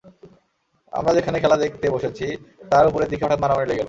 আমরা যেখানে খেলা দেখতে বসেছি, তার ওপরের দিকে হঠাৎ মারামারি লেগে গেল।